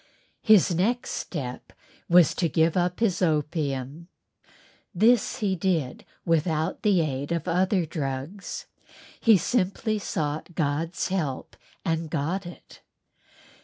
His next step was to give up his opium. This he did without the aid of other drugs. He simply sought God's help and got it.